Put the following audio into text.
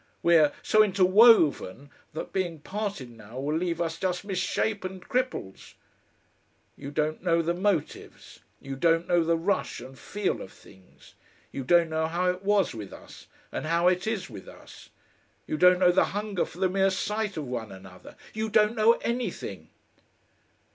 We're so interwoven that being parted now will leave us just misshapen cripples.... You don't know the motives, you don't know the rush and feel of things, you don't know how it was with us, and how it is with us. You don't know the hunger for the mere sight of one another; you don't know anything."